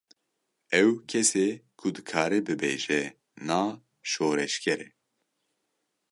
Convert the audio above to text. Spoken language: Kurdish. Ew kesê ku dikare bibêje na şoreşger e.